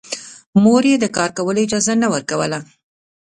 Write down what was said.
مور يې د کار کولو اجازه نه ورکوله